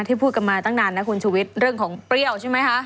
พูดกันมาตั้งนานนะคุณชุวิตเรื่องของเปรี้ยวใช่ไหมคะ